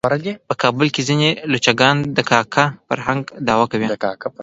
په کابل کې ځینې لچکان د کاکه فرهنګ دعوه کوي.